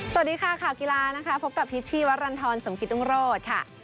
สวัสดีค่ะข่าวกีฬานะคะพบกับพิษชีวรรณฑรสมกิตรุงโรธค่ะ